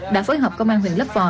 đã phối hợp công an huyện lấp vò